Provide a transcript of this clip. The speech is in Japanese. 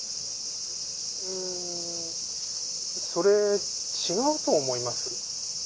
うーんそれ違うと思います。